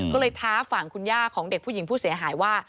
ก็เลยท้าฝั่งคุณย่าของเด็กผู้หญิงผู้เสียหายว่า